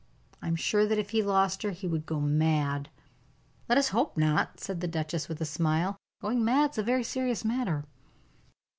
I am sure that if he lost her he would go mad." "Let us hope not," said the duchess, with a smile. "Going mad is a very serious matter."